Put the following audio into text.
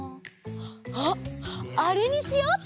あっあれにしようっと！